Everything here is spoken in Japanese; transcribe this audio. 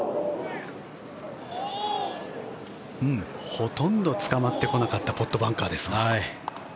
ほとんどつかまってこなかったポットバンカーですが。